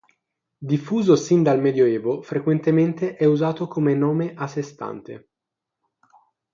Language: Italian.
Diffuso sin dal Medioevo, frequentemente è usato come nome a sé stante.